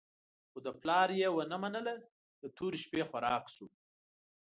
خو د پلار یې ونه منله، د تورې شپې خوراک شو.